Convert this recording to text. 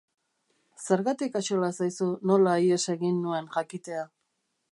Zergatik axola zaizu nola ihes egin nuen jakitea?